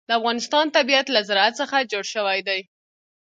د افغانستان طبیعت له زراعت څخه جوړ شوی دی.